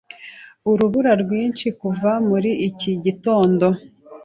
Urubura rwinshi kuva muri iki gitondo.